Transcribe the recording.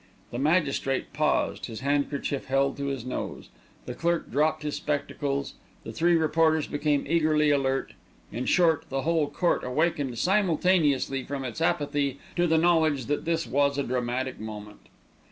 The magistrate paused, his handkerchief held to his nose, the clerk dropped his spectacles, the three reporters became eagerly alert in short, the whole court awakened simultaneously from its apathy to the knowledge that this was a dramatic moment.